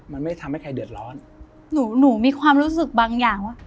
มันไม่ทำให้ใครเดือดร้อนหนูหนูมีความรู้สึกบางอย่างว่า